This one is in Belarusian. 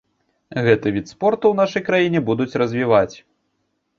Гэты від спорту ў нашай краіне будуць развіваць.